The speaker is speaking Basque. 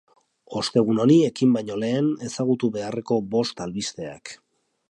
Ostegun honi ekin baino lehen ezagutu beharreko bost albisteak.